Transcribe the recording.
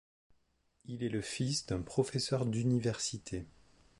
Il est le fils d'un professeur d'université.